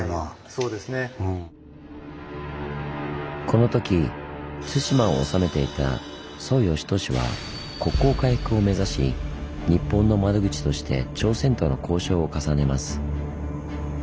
このとき対馬を治めていた宗義智は国交回復を目指し日本の窓口として朝鮮との交渉を重ねます。